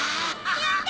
やった！